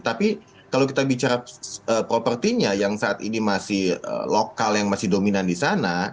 tapi kalau kita bicara propertinya yang saat ini masih lokal yang masih dominan di sana